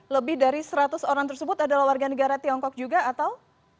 lebih dari seratus orang tersebut adalah warga negara tiongkok juga atau